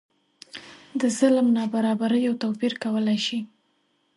د ظلم نابرابریو توپیر کولای شي.